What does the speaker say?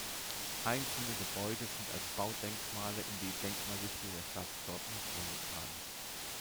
Einzelne Gebäude sind als Baudenkmale in die Denkmalliste der Stadt Dortmund eingetragen.